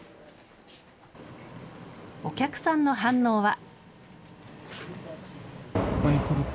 お客さんの反応は。